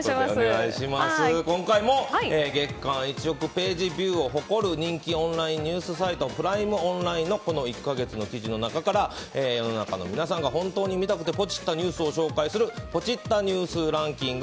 今回も月間１億ページビューを誇る人気オンラインニュースサイトプライムオンラインのこの１か月の記事の中から世の中の皆さんが本当に見たくてポチッたニュースを紹介するポチッたニュースランキング。